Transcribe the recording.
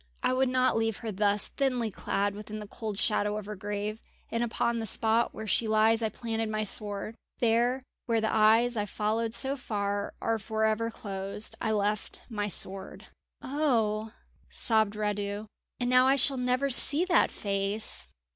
I would not leave her thus thinly clad within the cold shadow of her grave; and upon the spot where she lies I planted my sword. There, where the eyes I followed so far are for ever closed, I left my sword." "Oh," sobbed Radu, "and now I shall never see that face!"